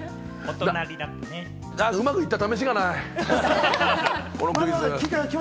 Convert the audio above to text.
うまくいったためしがない、このクイズ。